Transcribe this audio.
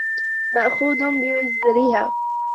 مَأْخُوذٌ بِوِزْرِهَا